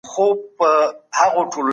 سم نیت ډار نه جوړوي.